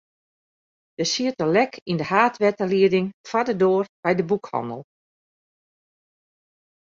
Der siet in lek yn de haadwetterlieding foar de doar by de boekhannel.